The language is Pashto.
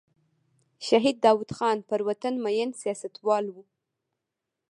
شهید داود خان پر وطن مین سیاستوال و.